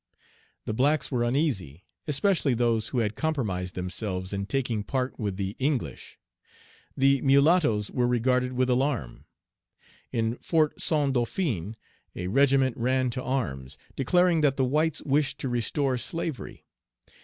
The blacks were uneasy, especially those who had compromised themselves in taking part with the English. The mulattoes were regarded with alarm. In Fort Saint Dauphin, a regiment ran to arms, declaring that the whites wished to restore slavery.